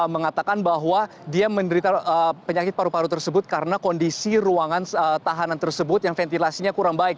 mengatakan bahwa dia menderita penyakit paru paru tersebut karena kondisi ruangan tahanan tersebut yang ventilasinya kurang baik